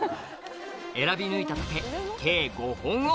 選び抜いた竹計５本を！